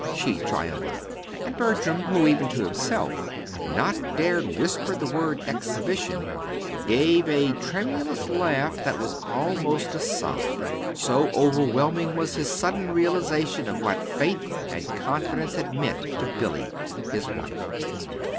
she triumphed. And Bertram, who, even to himself, had not dared whisper the word exhibition, gave a tremulous laugh that was almost a sob, so overwhelming was his sudden realization of what faith and confidence had meant to Billy, his wife.